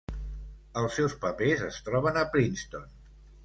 Els seus papers es troben a Princeton.